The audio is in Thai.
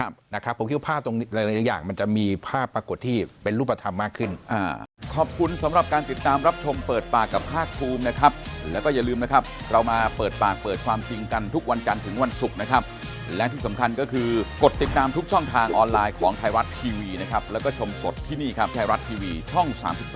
ผมคิดว่าภาพตรงนี้หลายอย่างมันจะมีภาพปรากฏที่เป็นรูปธรรมมากขึ้น